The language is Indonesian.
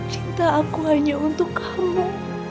cinta aku hanya untuk aku